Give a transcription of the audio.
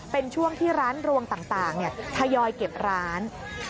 เป็นช่วงที่ร้านรวงต่างทยอยเก็บร้าน